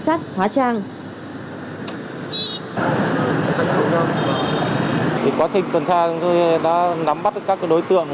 quá trình tuần tra chúng tôi đã nắm bắt các đối tượng